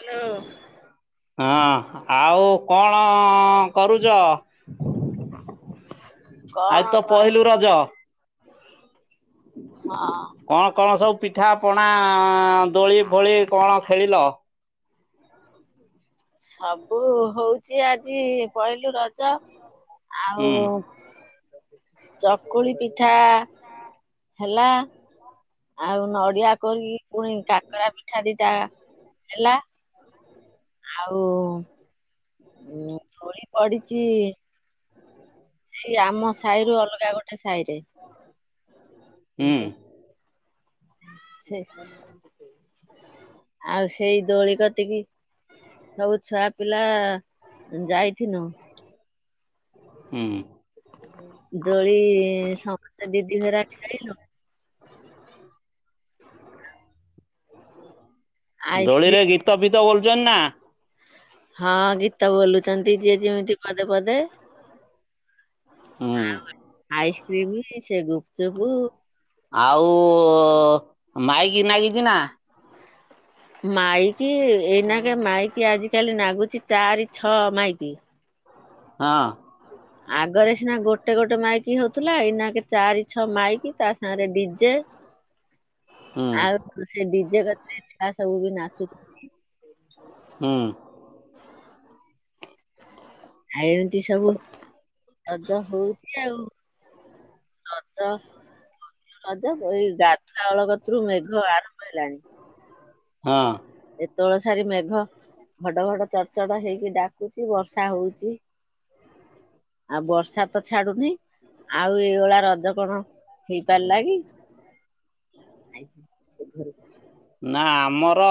Hello. ହଁ ଆଉ କଣ। କରୁଛ କଣ ଆଜି ତ କ ପହିଲୁ ରଜ। ହଁ। କଣ କଣ ସବୁ ପିଠା ପଣା ଦୋଳି ଫୋଳି କଣ ଖେଳିଲ? ସବୁ ହଉଚି ଆଜି ପହିଲୁ ରଜ। ଆଉ ହୁଁ ଚକୁଳି ପିଠା ହେଲା। ଆଉ ନଡିଆ କୁରିକି ପୁଣି କାକରା ପିଠା ଦିଟା ହେଲା। ଆଉ ଧୋଳି ପଡିଛି। ସେଇ ଆମ ସାହିରୁ ଅଲଗା ଗୋଟେ ସାହି ରେ। ଦି ହୁଁ ଟା। ସେ ଆଉ ସେଇ ଦୋଳି କତିକି। ସବୁ ଛୁଆ ପିଲା ଯାଇଥିନୁ। ହୁଁ। ଦୋଳି ସମସ୍ତେ ଦି ଦି ଘେରା ଖେଲିଲୁ। ଆ। ଦୋଳିରେ ଗୀତ ଫିତ ବଲୁଛନ୍ତି ନା। ହଁ ଗୀତ ବୋଲୁଛନ୍ତି ଯିଏ ଯେମିତି ପଦେ ପଦେ। ହୁଁ ଆଉ ଆଇସ୍କ୍ରିମ ସେ ଗୁପଚୁପ୍। ଆଉ ମାଇକି ନାଗିଛି ନା। ମାଇକି ଏଇନା କେ ମାଇକି ଆଜିିକାଲି ନାଗୁଛି ଚାରି ଛଅ ମାଇକି। ହଁ। ହ। ଆଗରେ ସିନା ଗୋଟେ ଗୋଟେ ମାଇକି ହଉଥିଲା ଏଇନାକେ ଚାରି ଛଅ ମାଇକି ତା ସାଙ୍ଗେରେ ଡିଜେ। ହୁଁ ଆଉ ସେ ଡିଜେ କଥା ଛୁଆ ସବୁ ବି ନାଚୁ ହୁଁ। ଆଉ ଏମିତି ସବୁ ରଜ ହଉଛି ଆଉ। ରଜ। ରଜ ଏଇ ଗାଧା ଓଳ କତରୁ ମେଘ ଆରମ୍ଭ ହେଲାଣି। ହଁ। ଏତେବେଳ ସାରି ମେଘ। ଘଡ ଘଡ ଚଡ ଚଡ ହେଇକି ଡାକୁଚି ବର୍ଷା ହଉଚି। ଆଉ ବର୍ଷା ତ ଛାଡୁନି। ଆଉ ଏଇ ଭଳିଆ ରଜ କଣ ହେଇପାରିଲା କି। ଆଇଚି ସବୁ ଘରକୁ। ନା ଆମର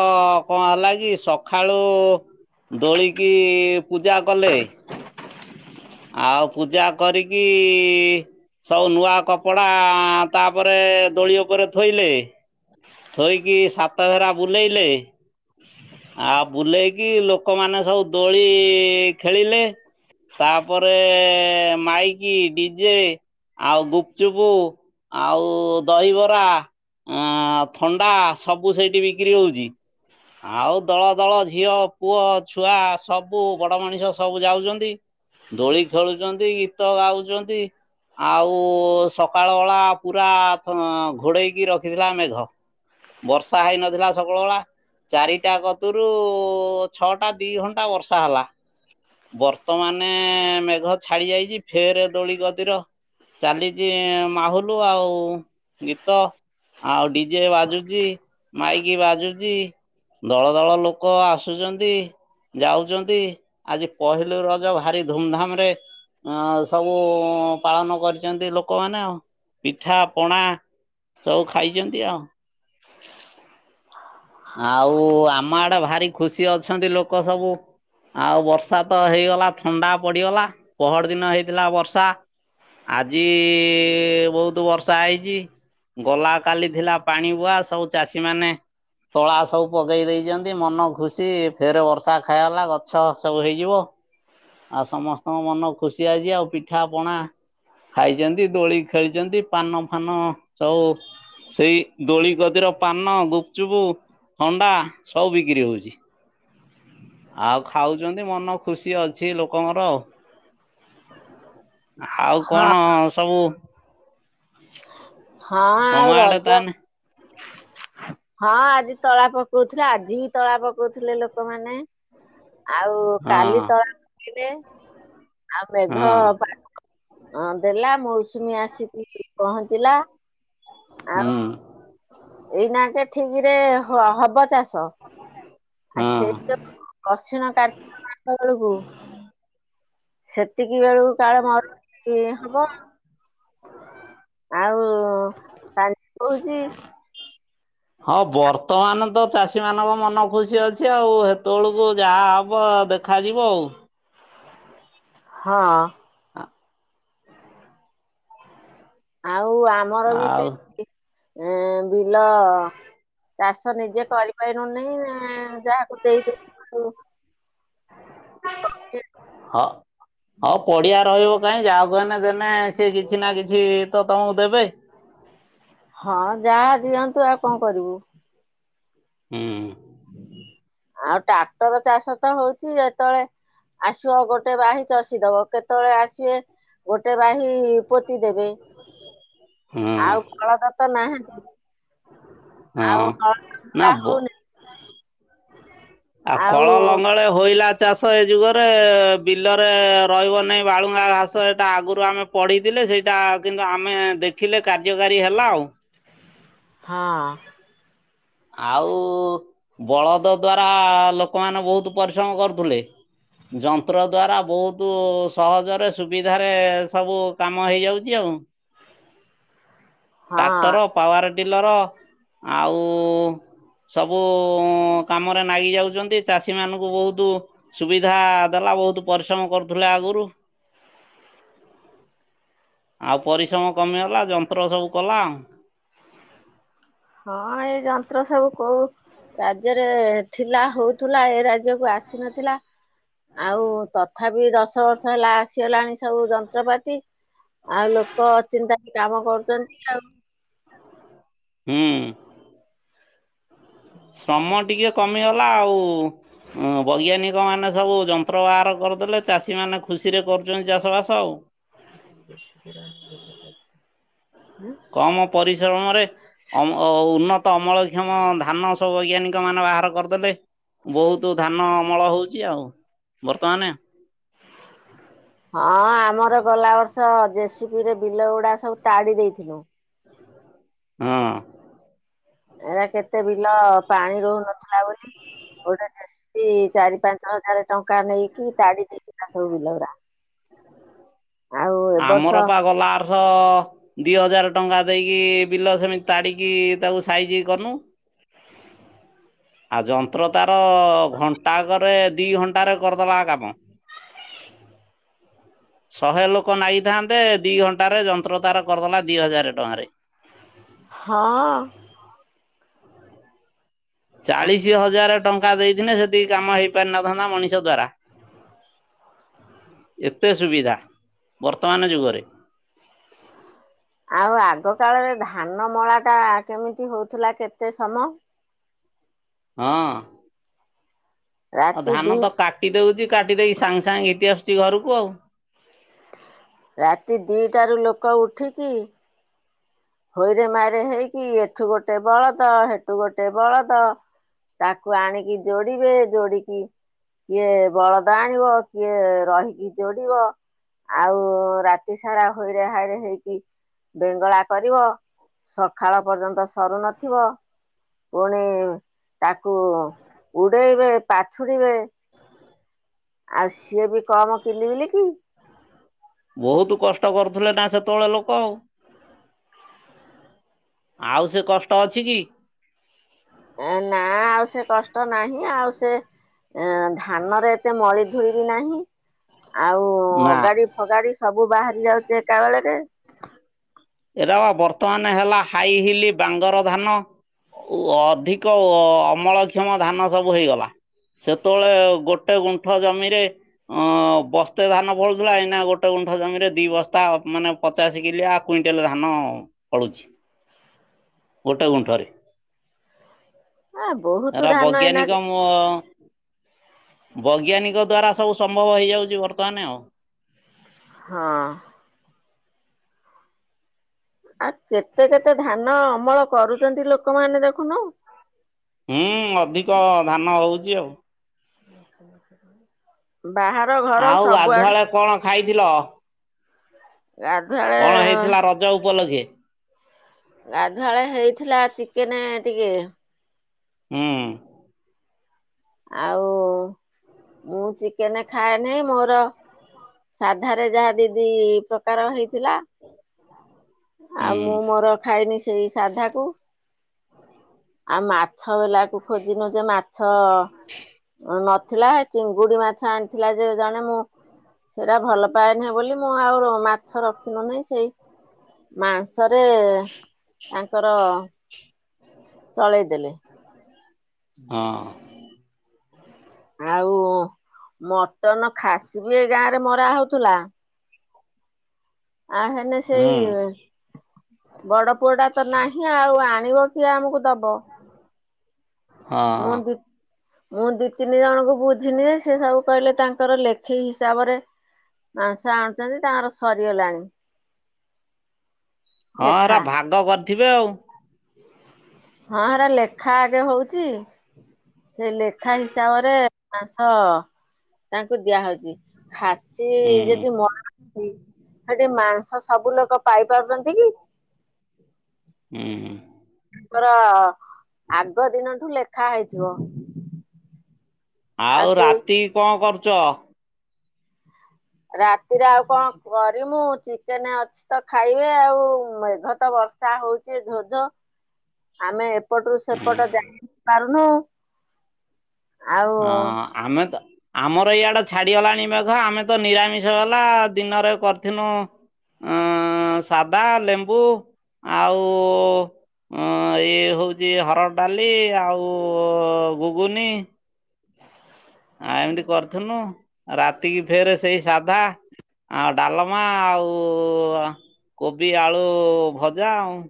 କଣ ହେଲା କି ସଖାଳୁ। ଦୋଳିକି ପୂଜା କଲେ। ଆଉ ପୂଜା କରିକି। ସବୁ ନୂଆ କପଡ଼ା ତାପରେ ଦୋଳି ଉପରେ ଥୋଇଲେ। ଥୋଇକି ସାତ ଭେରା ବୁଲେଇଲେ ଆ ବୁଲେଇ କି ଲୋକମାନେ ସବୁ ଦୋଳି ଖେଳିଲେ। ତାପରେ ମାଇ କି ଡିଜେ ଆଉ ଗୁପଚୁପୁ ଆଉ ଦହିବରା। ଅ ହ। ଥଣ୍ଡା ସବୁ ସେଇଠି ବିକ୍ରି ହଉଛି। ଆଉ ଦଳ ଦଳ ଝିଅ ପୁଅ ଛୁଆ ସବୁ ବଡ ମଣିଷ ସବୁ ଯାଉଛନ୍ତି। ଦୋଳି ଖେଳୁଛନ୍ତି ଗୀତ ଗାଉଚନ୍ତି। ଆଉ ସକାଳ ବଳା ପୁରା ଘୋଡ଼େଇକି ରଖିଥିଲା ମେଘ। ବର୍ଷା ହେଇନଥିଲା ସକଳ ବେଳା। ଚାରିଟା କତୁରୁ ଛଅଟା ଦି ଘଣ୍ଟା ବର୍ଷା ହେଲା। ବର୍ତ୍ତମାନେ ମେଘ ଛାଡି ଯାଇଛି ଫେରେ ଦୋଳିି କତିର। ଚାଲିଛି ମାହୁଲୁ ଆଉ ଗୀତ ଆଉ ଡି ଯେ ବାଜୁଛି ମାଇକି ବାଜୁଛି ଦଳ ଦଳ ଲୋକ ଆସୁଛନ୍ତି। ଯାଉଛନ୍ତି ଆଜି ପହିଲୁ ରଜ ଭାରି ଧୁମ ଧାମ ରେ ଅ ସବୁ ପାଳନ କରିଛନ୍ତି ଲୋକମାନେ ଆଉ ପିଠା ପଣା ସବୁ ଖାଇଛନ୍ତି ଆଉ। [inaudible] ଆଉ ଆମ ଆଡେ ଭାରି ଖୁସି ଅଛନ୍ତି ଲୋକ ସବୁ। ଆଉ ବର୍ଷା ତ ହେଇଗଲା ଥଣ୍ଡା ପଡିଗଲା ପହର ଦିନ ହେଇଥିଲା ବର୍ଷା। ଆଜି ବହୁତ ବର୍ଷା ହେଇଛି। ଗଲା କାଲି ଥିଲା ପାଣି ବୁହା ସବୁ ଚାଷୀମାନେ ତଳା ସବୁ ପକେଇ ଦେଇଛନ୍ତି ମନ ଖୁସି ଫେର ବର୍ଷା ଖାଗଲା ଗଛ ସବୁ ହେଇଯିବ। ଆଉ ସମସ୍ତଙ୍କ ମନ ଖୁସି ଆଜି ଆଉ ପିଠା ପଣା ଖାଇଛନ୍ତି ଦୋଳି ଖେଳିଛନ୍ତି ପାନ ଫାନ ସବୁ ସେଇ ଦୋଳିି କତିର ପାନ ଗୁପଚୁପୁ ହଣ୍ଡା ସବୁ ବିକ୍ରି ହୋଉଛି। ଆଉ ଖାଉଛନ୍ତି ମନ ଖୁସି ଅଛି ଲୋକଙ୍କର ଆଉ। ହାଉ ହଁ କଣ ସବୁ ହଁ ତମ ଆଉ ଆଡେ ରଜ ତାହେନେ ହଁ ଆଜି ତଳା ପକଉଥିଲେ ଆଜି ବି ତଳା ପକଉଥିଲେ ଲୋକମାନେ। ଆଉ କାଲି ହଁ ତଳା ପକେଇଲେ ଆଉ ମେଘ ହଁ। [inaudible] ଅଁ ଦେଲା ମୌସୁମୀ ଆସିକି ପହଞ୍ଚିଲା। ହୁଁ। ଏଇନା କେ ଠିକ ରେ ହ ହବ ଚାଷ ଆ ହଁ। ସେଇ [unintelligible] ଅଶିଣ କାର୍ତ୍ତିକ ମାସ ବେଳକୁ ସେତିକି ବେଳକୁ କାଳେ ମରୁଡ଼ି ହବ। ଆଉ ପାଣି ପକଉଛି [inaudible] ହଁ ବର୍ତ୍ତମାନ ତ ଚାଷୀ ମାନଙ୍କ ମନ ଖୁସି ଅଛି ଆଉ ହେତେବେଳକୁ ଯାହା ହବ ଦେ ଖାଯିବ ଆଉ। ହଁ। [inaudible] ଆଉ ଆମର ବି ଆଉ ସେମିତି ଉଁ ବିଲ ଚାଷ ନିଜେ କରିପାଇନୁ ନେଇ ଯାହାକୁ ଦେଇଦବୁ ଆଉ। [inaudible] ହଁ ହ ପଡିଆ ରହିବ କାହିଁ ଯାହା କୁ ହେନେ ଦେନେ ସେ କିଛି ନା କିଛି ଛି ତ ତମକୁ ଦେବେ? ହଁ ଯାହା ଦିଅନ୍ତୁ ଆଉ କଣ କରିବୁ। ହୁଁ। ଆଉ ଟାକ୍ଟର ଚାଷ ତ ହଉଛି ଯେତେବେଳେ ଆସିବ ଗୋଟେ ବାହି ଚଷିଦବ କେତେବେଳେ ଆସିବେ ଗୋଟେ ବାହି ପୋତି ଦେବେ ହଁ ଆଉ ଫଳଦ ତ ନାହାନ୍ତି। ହଁ ଆଉ ହଳ ନା ବୁଲା ବ ହୋଉନି। ଆ ଆଉ କଳ ଲଙ୍ଗଳେ ହୋଇଲା ଚାଷ ଏ ଯୁଗରେ ବିଲରେ ରହିବ ନାହିଁ ବାଳୁଙ୍ଗା ଘାସ ଏଟା ଆଗରୁ ଆମେ ପଢ଼ିଥିଲେ ସେଇଟା କିନ୍ତୁ ଆମେ ଦେଖିଲେ କାର୍ଯ୍ୟକାରୀ ହେଲା ଆଉ। ହଁ। ଆଉ ବଳଦ ଦ୍ଵାରା ଲୋକମାନେ ବହୁତ ପରିଶ୍ରମ କରୁଥିଲେ। ଯନ୍ତ୍ର ଦ୍ଵାରା ବହୁତ୍ ସହଜରେ ସୁବିଧାରେ ସବୁ କାମ ହେଇଯାଉଛି ଆଉ। ହଁ ଟ୍ରାକ୍ଟର ପାୱାର ଟିଲର ଆଉ ସବୁ କାମରେ ନାଗି ଯାଉଛନ୍ତି ଚାଷୀ ମାନଙ୍କୁ ଭୋଉତୁ ସୁବିଧା ଦେଲା ବହୁତ ପରିଶ୍ରମ କରୁଥିଲେ ଆଗରୁ। ଆଉ ପରିଶ୍ରମ କମିଗଲା ଯନ୍ତ୍ର ସବୁ କଲା ଆଉ। ହଁ ଏଇ ଯନ୍ତ୍ର ସବୁ କହୁ ରାଜ୍ୟରେ ଥିଲା ହଉଥିଲା ଏ ରାଜ୍ୟକୁ ଆସିନଥିଲା। ଆଉ ତଥାପି ଦଶ ବର୍ଷ ହେଲା ଆସିଗଲାଣି ସବୁ ଯନ୍ତ୍ରପାତି। ଆଉ ଲୋକ ଅଚିନ୍ତାରେ କାମ କରୁଚନ୍ତି ଆଉ। ହୁଁ। ଶମୟ ଟିକେ କମିଗଲା ଆଉ। ହଁ ବୈଜ୍ଞାନିକ ମାନ ସବୁ ଯନ୍ତ୍ର ବାହାର କରିଦେଲେ ଚାଷୀମାନେ ଖୁସିରେ କରୁଚନ୍ତି ଚାଷବାସ ଆଉ। [unintelligible] ପୁରା ଆଣିଦବୁ [unintelligible] ହଁ। କମ ପରିଶ୍ରମରେ ଅମ ଉନ୍ନତ ଅମଳକ୍ଷମ ଧାନ ସବୁ ବୈଜ୍ଞାନିକ ମାନେ ବାହାର କରିଦେଲେ। ବହୁତୁ ଧାନ ଅମଳ ହଉଚି ଆଉ ବର୍ତ୍ତମାନେ। ହଁ ଆମର ଗଲା ବର୍ଷ ଜେସିପିରେ ବିଲ ଗୁଡା ସବୁ ତାଡି ଦେଇଥିଲୁ। ହଁ। ଏରା କେତେ ବିଲ ପାଣି ରହୁନଥିଲା ବୋଲି ଗୋଟେ ଜେସିପି ଯେଶିପି ଚାରି ପାଞ୍ଚ ହଜାର ଟଙ୍କା ନେଇକି ତାଡି ଦେଇଥିଲା ସବୁ ବିଲ ଉରା। [inaudible] ବର୍ଷ ଆମର ପା ଗଲା ବର୍ଷ ଦି ହଜାର ଟଙ୍କା ଦେଇକି ବିଲ ସେମିତି ତାଡିକି ତାକୁ ସାଇଜି କନୁ। ଆଉ ଯନ୍ତ୍ର ତାର ଘଣ୍ଟାକରେ ଦି ଘଣ୍ଟାରେ କରିଦେଲା କାମ। [unintelligible] ଶହେ ଲୋକ। ଲୋକ ନାଗିଥାନ୍ତେ ଦି ଘଣ୍ଟାରେ ଯନ୍ତ୍ର ତାର କରିଦେଲା ଦି ହଜାରେ ଟଙ୍କାରେ। ହଁ। ଚାଳିଶି ହଜାରେ ଟଙ୍କା ଦେଇଥିନେ ସେତିକି କାମ ହେଇପାରିନଥାନ୍ତା ମଣିଷ ଦ୍ଵାରା। ଏତେ ସୁବିଧା ବର୍ତ୍ତମାନେ ଯୁଗରେ। ଆଉ ଆଗ କାଳରେ ଧାନ ମଳା ଟା କେମିତି ହଉଥିଲା କେତେ ସମ। ହଁ ରାତି ଧାନ ଦି ତ କା କାଟି ଦଉଚି କାଟି ଦେଇ ସାଙ୍ଗେ ସାଙ୍ଗେ ଘିତି ଆସୁଛି ଘରକୁ ଆଉ। ରାତି ଦିଟାରୁ ଲୋକ ଉଠିକି। ହୋଇରେ ମାଇରେ ହେଇକି ଏଠୁ ଗୋଟେ ବଳଦ ହେଠୁ ଗୋଟେ ବଳଦ। ତାକୁ ଆଣିକି ଯୋଡିବେ ଯୋଡିକି କିଏ ବଳଦ ଆଣିବ କିଏ ରହିକି ଯୋଡିବ। ଆଉ ରାତି ସାରା ହୋଇରେ ହାଇରେ ହେଇକି ବେଙ୍ଗେଳା କରିବ ସକାଳ ପର୍ଯ୍ୟନ୍ତ ସରୁ ନଥିବ। ପୁଣି ତାକୁ ଉଡେଇବେ ପାଛୁଡିବେ। ଆଉ ସିଏ ବି କମ କିିଲି ବିଲି କି। ବହୁତୁ କଷ୍ଟ କରୁଥିଲେ ନା ସେତେବେଳେ ଲୋକ ଆଉ। ଆଉ ସେ କଷ୍ଟ ଅଛି କି। ନା ଆଉ ସେ କଷ୍ଟ ନାହିଁ ଆଉ ସେ ଏଁ ଧାନରେ ଏତେ ମଳି ଧୂଳି ବିି ନାହିଁ। ଆଉ ନା। ଅଗାଡି ଫଗାଡି ସବୁ ବାହାରି ଯାଉଚି ଏକା ବେଳକେ। ଏରା ପା ବର୍ତ୍ତମାନେ ହେଲା ହାଇ ହିଲି ବାଙ୍ଗର ଧାନ। ଓ ଅଧିକ ଅମଳକ୍ଷମ ଧାନ ସବୁ ହେଇଗଲା। ସେତେବେଳେ ଗୋଟେ ଗୁଣ୍ଠ ଜମିରେ ଅଁ ବସ୍ତେ ଧାନ ଫଳୁଥିଲା ଏଇନା ଗୋଟେ ଗୁଣ୍ଠ ଜମିରେ ଦି ବସ୍ତା ମାନେ ପଚାଶେ କିଲିଆ କୁଇଣ୍ଟେଲେ ଧାନ ପଳୁଛି ଗୋଟେ ଗୁଣ୍ଠରେ। [unintelligible] ଏରା ଧାନ ଏଇନା ବୈଜ୍ଞାନିକ ମୁଁ [unintelligible] ବୈଜ୍ଞାନିକ ଦ୍ଵାରା ସବୁ ସମ୍ଭବ ହେଇଯାଉଚି ବର୍ତ୍ତମାନେ ଆଉ। ହଁ। ଆ କେତେ କେତେ ଧାନ ଅମଳ କରୁଚନ୍ତି ଲୋକମାନେ ଦେଖୁନୁ। ହୁଁ ଅଧିକ ଧାନ ହଉଚି ଆଉ। ବାହା ଆଉ ଗାଧୁଆଳେ କଣ ଖାଇଥିଲ? ଗାଧୁ କଣ ହେଇଥିଲା ରଜ ଉପଲକ୍ଷେ? ଗାଧୁଆଳେ ହେଇଥିଲା ଚିକେନ ଟିକେ ହଁ। ଆଉ ମୁଁ ଚିକେନ ଖାଏନି ମୋର ସାଧାରେ ଯାହା ଦି ଦି ପ୍ରକାର ହେଇଥିଲା। ଆଉ ହୁଁ। ମୁଁ ମୋର ଖାଇନି ସେଇ ସାଧାକୁ ଆଉ ମା ଛ ବାଲାକୁ ଖୋଜିନୁ ଯେ ମାଛ ନଥିଲା ଚିଙ୍ଗୁଡି ମାଛ ଆଣିଥିଲା ଯେ ଜଣେ ମୁଁ ସେଇଟା ଭଲ ପାଏ ନାହିଁ ବୋଲି ମୁଁ ଆଉ ର ମାଛ ରଖିନୁ ନାହିଁ ସେଇ ମାଂସରେ ତାଙ୍କର ଚଳେଇ ଦେଲେ। ହଁ। ଆଉ ମଟନ ଖାସି ବି ଏ ଗାଁ ରେ ମରା ହଉଥିଲା ଆ ହେ ସେଇ ହୁଁ ବଡ ପୁଅଟା ତ ନାହିଁ ଆଉ ଆଣିବ କିଏ ଆମକୁ ଦବ। ହଁ ମୁଁ ଦି ମୁଁ ଦିଇ ତିନି ଜଣଙ୍କୁ ବୁଝିନି ଯେ ସେ ସବୁ କହିଲେ ତାଙ୍କର ଲେଖି ହିସାବରେ ମାଂସ ଆଣୁଛନ୍ତି ତାଙ୍କର ସରିଗଲାଣି। ହଁ ହେରା ଲେଖା ଭାଗ କରିଥିବେ ଆଉ। ହଁ ହେରା ଲେଖା ଆଗେ ହଉଛି। ସେ ଲେଖା ହିସାବରେ ମାଂସ ତାଙ୍କୁ ଦିଆହଉଛି। ଖାସି ହୁଁ ଯଦି ମ ହେଠି ମାଂସ ସବୁ ଲୋକ ପାଇପାରୁଛନ୍ତି କି। ହୁଁ। ତାର ଆଗ ଦିନଠୁ ଲେଖା ହେଇଥିବ। ଆଉ ରାତି କଣ କରୁଛ? ରାତିରେ ଆଉ କଣ କରିମୁ ଚିକେନ ଅଛି। ତ ଖାଇବେ ଆଉ ମେଘତ ବର୍ଷା ହୋଉଚି ଧୋଧ ଆମେ ଏପଟରୁ ହୁଁ ସେପଟ ଜାଇ ପାରୁନୁ। ଆଉ ହଁ ଆମେ ତ ଆମର ଇଆଡେ ଛାଡିଗଲାଣି ମେଘ ଆମେ ତ ନିରାମିଷ ବାଲା ଦିନରେ କରିିଥିନୁ ଅ ସାଧା ଲେମ୍ବୁ ଆଉ ଅ ଇ ହଉଛି ହରଡ ଡାଲି ଆଉ ଗୁଗୁନି। ଆ ଏମିତି କରିଥିନୁ ରାତିକି ଫେରେ ସେଇ ସାଧା। ଆ ଡାଲମା ଆଉ କୋବି ଆଳୁ ଭଜା ଆଉ।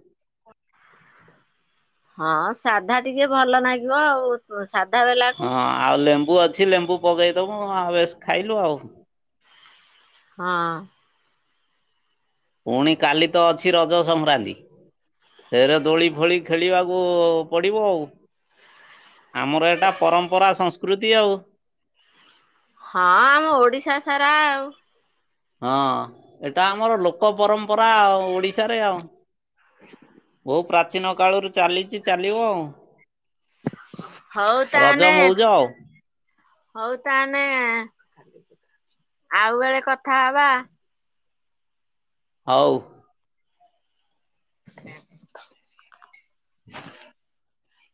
ହଁ ସାଧା ଟିକେ ଭଲ ଲାଗିବ ଆଉ ସାଧା ବେଲାକୁ ହଁ ଆଉ ଲେମ୍ବୁ ଅଛି ଲେମ୍ବୁ ପକେଇଦବୁ ଆଉ ବେଶ ଖାଇଲୁ ଆଉ। ହଁ। ପୁଣି କାଲି ତ ଅଛି ରଜ ସଂକ୍ରାନ୍ତି। ଫେରେ ଦୋଳି ଫୋଳି ଖେଳିବାକୁ ପଡିବ ଆଉ। ଆମର ଏଇଟା ପରମ୍ପରା ସଂସ୍କୃତି ଆଉ। ହଁ ଆମ ଓଡିଶା ସାରା ଆଉ। ହଁ ଏଇଟା ଆମର ଲୋକ ପରମ୍ପରା ଆଉ। ଓଡିଶାରେ ଆଉ କୋଉ ବହୁ ପ୍ରା ପ୍ରଚୀନ କାଳରୁ ଚାଲିଛି ଚାଲିବ ଆଉ ହଉ ରଜ ତାହେନେ ମଉଜ ଆଉ। ହଉ ତାହେନେ ଆଉ ବେଳେ କଥା ହବା। ହଉ। [inaudible] [inaudible]